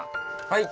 はい！